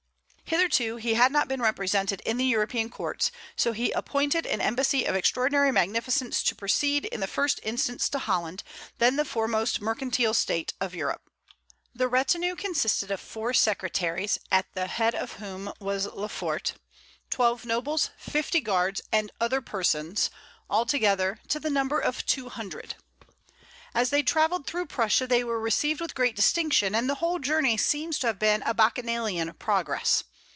Hitherto he had not been represented in the European courts; so he appointed an embassy of extraordinary magnificence to proceed in the first instance to Holland, then the foremost mercantile state of Europe. The retinue consisted of four secretaries, at the head of whom was Lefort, twelve nobles, fifty guards, and other persons, altogether to the number of two hundred. As they travelled through Prussia they were received with great distinction, and the whole journey seems to have been a Bacchanalian progress.